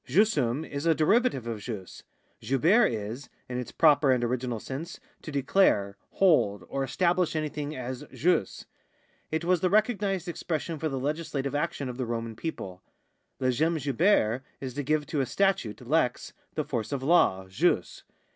Jussum is a derivative of jus. Jubere is, in its proper and original sense, to declare, hold, or establish anything as jus. It was the recognised expres.sion for the legislative action of the Roman people. Legem jubere is to give to a statute (lex) the force of law (jus).